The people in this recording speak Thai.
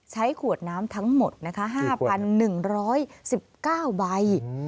ใช้ขวดน้ำทั้งหมดนะคะ๕๑๑๙ใบ